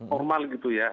normal gitu ya